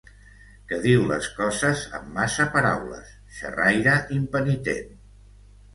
Que diu les coses amb massa paraules, xerraire impenitent.